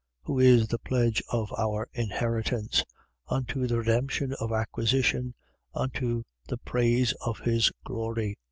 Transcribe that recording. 1:14. Who is the pledge of our inheritance, unto the redemption of acquisition, unto the praise of his glory.